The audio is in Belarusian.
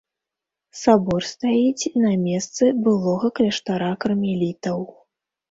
Сабор стаіць на месцы былога кляштара кармелітаў.